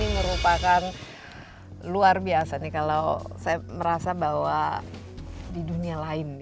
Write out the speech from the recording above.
ini merupakan luar biasa nih kalau saya merasa bahwa di dunia lain